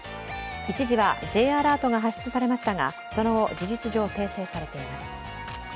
一時はＪアラートが発出されましたが、その後、事実上訂正されています。